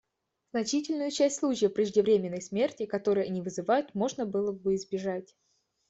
Значительную часть случаев преждевременной смерти, которые они вызывают, можно было бы избежать.